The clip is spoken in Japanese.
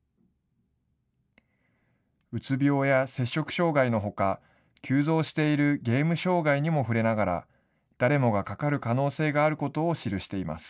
うつ病や摂食障害のほか急増しているゲーム障害にも触れながら、誰もがかかる可能性があることを記しています。